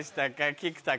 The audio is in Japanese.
菊田君。